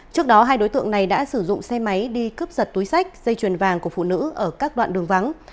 trước đó hai đối tượng này đã sử dụng xe máy đi cướp giật túi sách dây chuyền vàng của phụ nữ ở các đoạn đường vắng